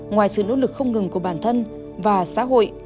ngoài sự nỗ lực không ngừng của bản thân và xã hội